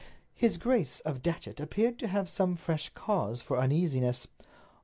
His Grace of Datchet appeared to have some fresh cause for uneasiness.